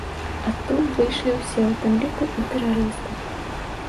Адтуль выйшлі ўсе, у тым ліку, і тэрарысты.